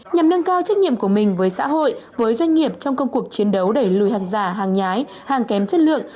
nhằm nâng cao trách nhiệm của mình với xã hội với doanh nghiệp trong công cuộc chiến đấu đẩy lùi hàng giả hàng nhái hàng kém chất lượng